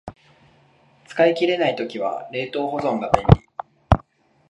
使い切れない時は冷凍保存が便利